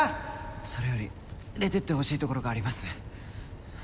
それより連れていってほしい所があります。